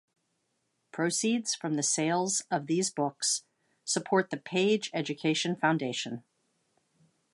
Proceeds from the sales of these books support the Page Education Foundation.